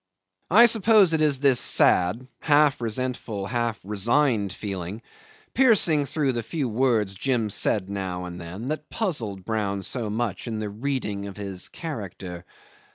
I suppose it is this sad, half resentful, half resigned feeling, piercing through the few words Jim said now and then, that puzzled Brown so much in the reading of his character.